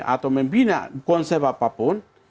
atau membina konsep apapun